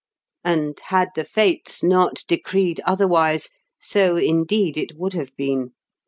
And, had the fates not decreed otherwise, so, indeed, it would have been.